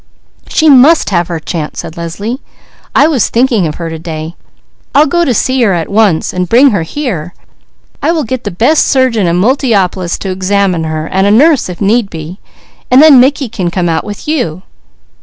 "She must have her chance," said Leslie. "I was thinking of her to day. I'll go to see her at once and bring her here. I will get the best surgeon in Multiopolis to examine her and a nurse if need be; then Mickey can come out with you."